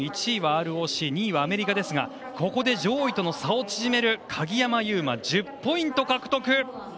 １位はＲＯＣ２位はアメリカですがここで上位との差を縮める鍵山優真、１０ポイント獲得。